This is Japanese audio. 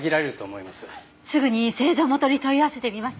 すぐに製造元に問い合わせてみます。